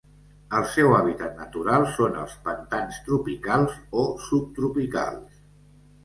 El seu hàbitat natural són els pantans tropicals o subtropicals.